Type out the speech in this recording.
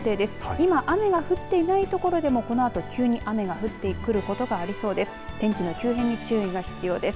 今、雨が降ってない所でもこのあと急に雨が降ってくることがありそうです。